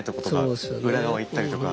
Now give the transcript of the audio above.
裏側行ったりとか。